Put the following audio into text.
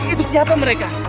itu siapa mereka